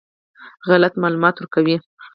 غلط معلومات ورکوي.